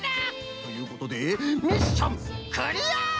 ということでミッションクリア！